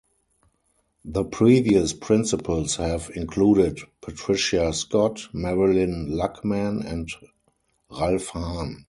The previous principals have included Patricia Scott, Marilyn Luckman and Ralph Hahn.